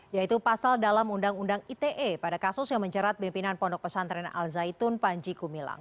yaitu pasal dalam undang undang ite pada kasus yang menjerat pimpinan pondok pesantren al zaitun panji gumilang